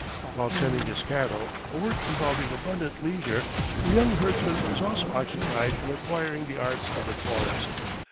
While tending his cattle, a work involving abundant leisure, the young herdsman was also occupied in acquiring the arts of the forest.